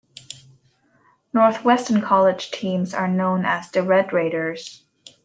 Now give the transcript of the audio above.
Northwestern College teams are known as the Red Raiders.